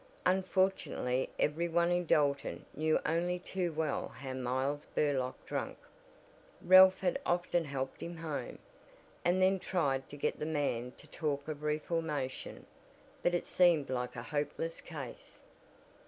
Unfortunately every one in Dalton knew only too well how Miles Burlock drank. Ralph had often helped him home, and then tried to get the man to talk of reformation, but it seemed like a hopeless case.